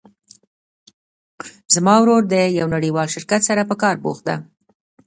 زما ورور د یو نړیوال شرکت سره په کار بوخت ده